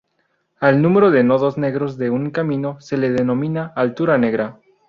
Al número de nodos negros de un camino se le denomina "altura negra".